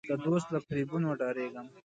د دوست له فریبونو ډارېږم.